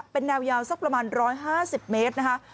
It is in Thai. เป็นแนวยาวสักประมาณ๑๕๐เมตรนะคะ